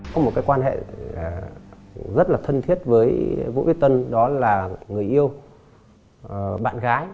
có một quan hệ rất là thân thiết với vũ vết tuân đó là người yêu bạn gái